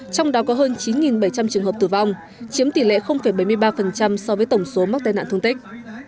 trong đó có hơn chín bảy trăm linh trường hợp tử vong chiếm tỷ lệ bảy mươi ba so với tổng số mắc tai nạn thương tích